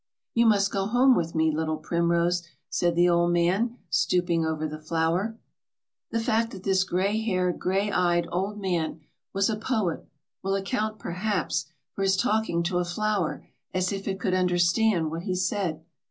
"You must go home with me, little primrose," said the old man, stooping over the flower. The fact that this gray haired, gray eyed old man was a poet will account, perhaps, for his talking to a flower as if it could understand what he said.